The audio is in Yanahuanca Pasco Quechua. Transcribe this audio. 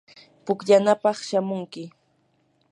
pukllanapaq shamunki.